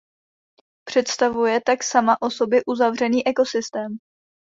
Představuje tak sama o sobě uzavřený ekosystém.